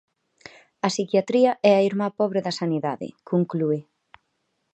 A psiquiatría é a irmá pobre da sanidade, conclúe.